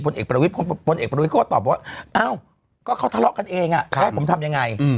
บนเอกบริวิทย์ก็ตอบว่าเอ้าก็เขาทะเลาะกันเองอ่ะผมทำยังไง